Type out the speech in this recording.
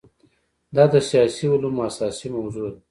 دا د سیاسي علومو اساسي موضوع ده.